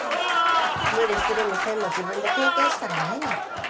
無理するもせんも自分で経験したらええねん。